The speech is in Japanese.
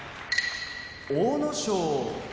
阿武咲